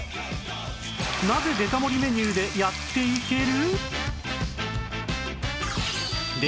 なぜデカ盛りメニューでやっていける？